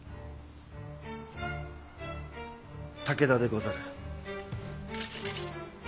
武田でござる。